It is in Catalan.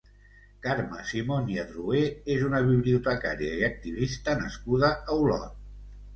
Carme Simon i Adroher és una bibliotecària i activista nascuda a Olot.